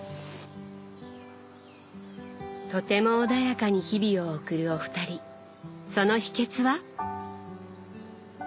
とても穏やかに日々を送るお二人その秘けつは？